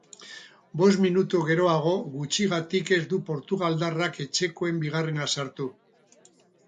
Bost minutu geroago, gutxigatik ez du portugaldarrak etxekoen bigarrena sartu.